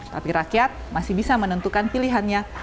tapi rakyat masih bisa menentukan pilihannya